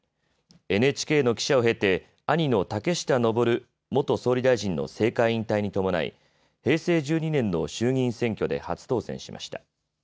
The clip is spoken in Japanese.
ＮＨＫの記者を経て兄の竹下登元総理大臣の政界引退に伴い平成１２年の衆議院選挙で初当選しました。